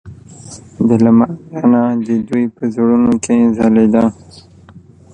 د لمر رڼا هم د دوی په زړونو کې ځلېده.